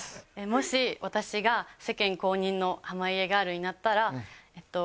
もし私が世間公認の濱家ガールになったらえっと